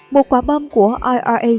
một quả bom của ira